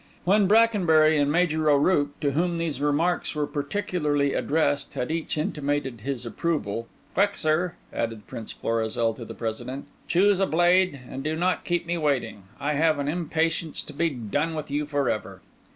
When Brackenbury and Major O'Rooke, to whom these remarks were particularly addressed, had each intimated his approval, "Quick, sir," added Prince Florizel to the President, "choose a blade and do not keep me waiting; I have an impatience to be done with you for ever."